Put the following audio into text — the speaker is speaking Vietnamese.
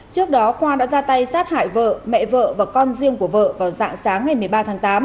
trước đó quang đã ra tay sát hại vợ mẹ vợ và con riêng của vợ vào dạng sáng ngày một mươi ba tháng tám